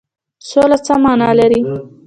سوله څه معنی لري؟